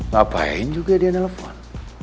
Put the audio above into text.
ngapain juga dia nelfon